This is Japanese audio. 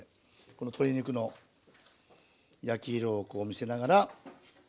この鶏肉の焼き色をこう見せながら。